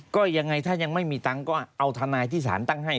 ก็ยังไงถ้ายังไม่มีตังค์ก็เอาทนายที่สารตั้งให้